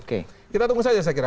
kita tunggu saja saya kira